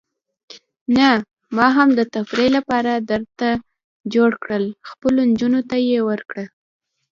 نه، ما هم د تفریح لپاره درته جوړ کړل، خپلو نجونو ته یې ورکړه.